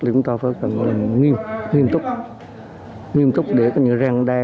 thì chúng ta phải nghiêm túc nghiêm túc để có như ràng đai